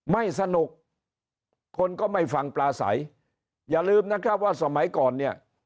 ไม่สนุกคนก็ไม่ฟังปลาใสอย่าลืมนะครับว่าสมัยก่อนเนี่ย